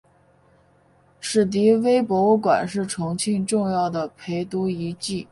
史迪威博物馆是重庆重要的陪都遗迹。